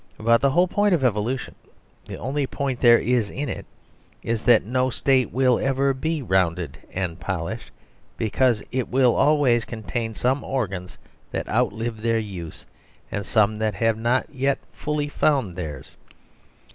But the whole point of evolution (the only point there is in it) is that no State will ever be rounded and polished, because it will always contain some organs that outlived their use, and some that have not yet fully found theirs.